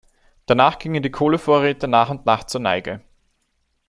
Danach gingen die Kohlevorräte nach und nach zur Neige.